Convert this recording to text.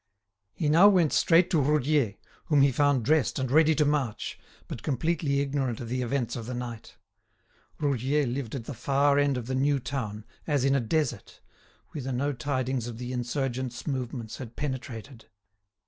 He now went straight to Roudier, whom he found dressed and ready to march, but completely ignorant of the events of the night. Roudier lived at the far end of the new town, as in a desert, whither no tidings of the insurgents' movements had penetrated.